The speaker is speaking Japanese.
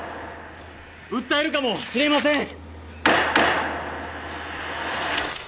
訴えるかもしれません！